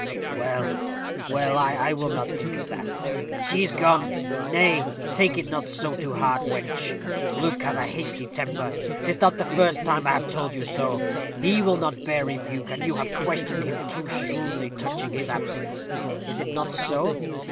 Well, well, I will not think of that. She is gone. Nay, take it not so to heart, wench. Luke has a hasty temper. 'Tis not the first time I have told you so. He will not bear rebuke, and you have questioned him too shrewdly touching his absence. Is it not so?